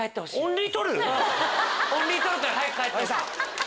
オンリー撮るから早く帰って。